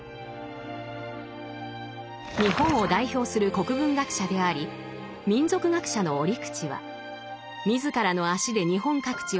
日本を代表する国文学者であり民俗学者の折口は自らの足で日本各地を巡り